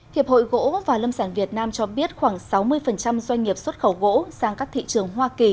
hiệp hội gỗ và lâm sản việt nam cho biết khoảng sáu mươi doanh nghiệp xuất khẩu gỗ sang các thị trường hoa kỳ